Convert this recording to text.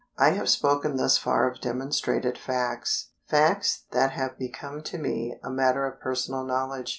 I have spoken thus far of demonstrated facts facts that have become to me a matter of personal knowledge.